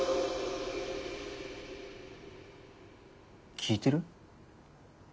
聞いてる？